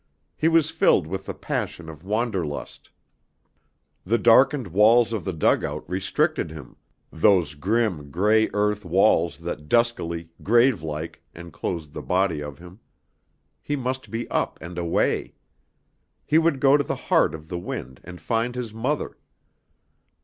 He was filled with the passion of wander lust. The darkened walls of the dugout restricted him, those grim, gray earth walls that duskily, grave like, enclosed the body of him. He must be up and away. He would go to the heart of the wind and find his mother.